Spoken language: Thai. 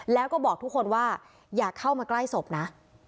แล้วก็บอกทุกคนว่าอย่าเข้ามาใกล้ศพนะ